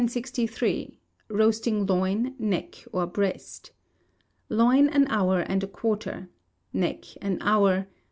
Roasting Loin, Neck or Breast. Loin, an hour and a quarter. Neck an hour.